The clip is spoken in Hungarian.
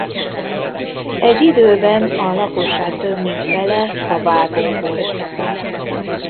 Egy időben a lakosság több mint fele favágó volt.